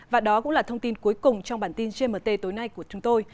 và đó cũng là thông tin cuối cùng trong bản tin gmt tối nay của chúng tôi